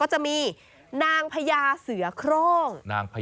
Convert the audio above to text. จะมีนางพญาเสือโครง